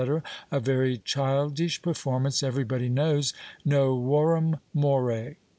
a very childish performance everybody knows (novorum more).